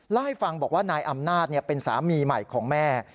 เล่าให้ฟังบอกว่านายอำนาจเป็นสามีใหม่ของแม่